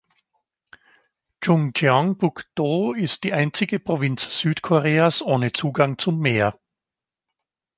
Chungcheongbuk-do ist die einzige Provinz Südkoreas ohne Zugang zum Meer.